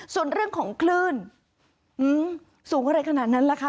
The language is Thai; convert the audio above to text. ส่วนเรื่องของคลื่นสูงอะไรขนาดนั้นล่ะคะ